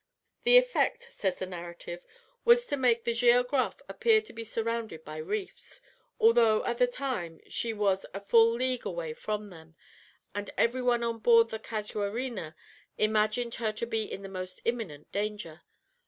"The effect," says the narrative, "was to make the Géographe appear to be surrounded by reefs, although at the time she was a full league away from them, and every one on board the Casuarina imagined her to be in the most imminent danger.